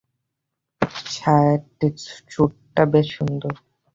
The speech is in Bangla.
স্যুটটা বেশ সুন্দর।